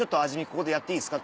ここでやっていいですか？